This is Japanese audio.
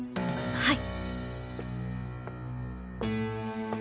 はい。